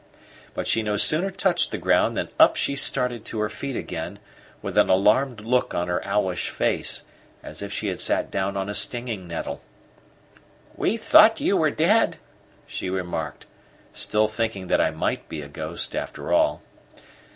But she no sooner touched the ground than up she started to her feet again, with an alarmed look on her owlish face, as if she had sat down on a stinging nettle. "We thought you were dead," she remarked, still thinking that I might be a ghost after all.